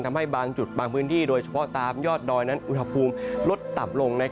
ทำให้บางจุดบางพื้นที่โดยเฉพาะตามยอดดอยนั้นอุณหภูมิลดต่ำลง